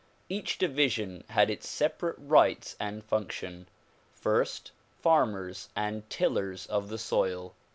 Each division had its separate rights and function. First, farmers and tillers of the soil.